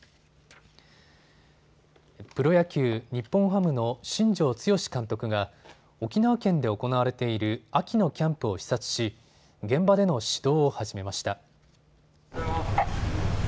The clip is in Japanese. プロ野球、日本ハムの新庄剛志監督が沖縄県で行われている秋のキャンプを視察し、現場での指導を始めました。